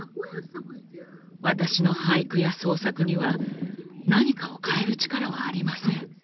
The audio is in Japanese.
私の俳句や創作には何かを変える力はありません。